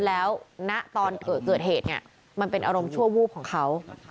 แล้วณตอนเกิดเหตุเนี่ยมันเป็นอารมณ์ชั่ววูบของเขา